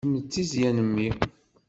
Kemm d tizzya n mmi.